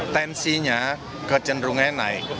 tensinya ke cenderungnya naik